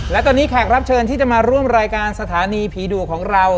และตอนนี้แขกรับเชิญที่จะมาร่วมรายการสถานีผีดุของเรา